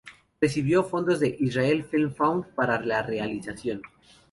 Recibió fondos de "Israel Film Fund" para la realización.